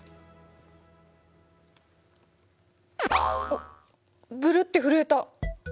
おっブルって震えた！